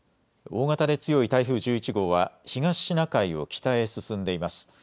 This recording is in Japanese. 大型で強い台風１１号は東シナ海を北へ進んでいます。